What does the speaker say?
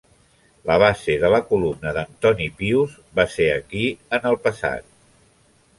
La base de la columna d'Antoní Pius va ser aquí en el passat.